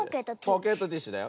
ポケットティッシュだよ。